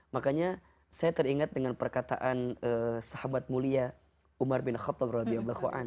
makanya saya teringat dengan perkataan sahabat mulia umar bin khattabrabil